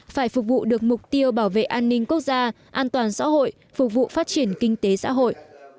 phải phục vụ được mục tiêu bảo vệ an ninh quốc gia an toàn xã hội phục vụ phát triển kinh tế xã hội